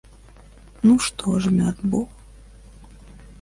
Ну, што ж мёд бо?